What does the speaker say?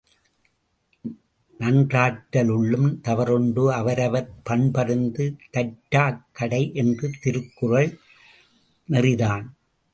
நன்றாற்ற லுள்ளும் தவறுண்டு அவரவர் பண்பறிந் தாற்றாக் கடை என்ற திருக்குறள் நெறிதான்!